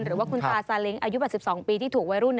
หรือว่าคุณตาซาเล้งอายุ๘๒ปีที่ถูกวัยรุ่น